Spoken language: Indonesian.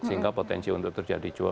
sehingga potensi untuk terjadi